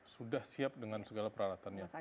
sudah siap dengan segala peralatannya